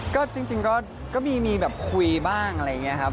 ก็จริงก็มีแบบคุยบ้างอะไรอย่างนี้ครับ